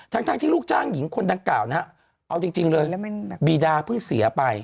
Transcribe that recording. ทั้งที่ลูกจ้างหญิงคนดังกล่าวนะฮะเอาจริงเลยบีดาเพิ่งเสียไป